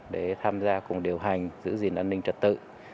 để tham gia cùng điều hành giữ gìn an ninh trật tự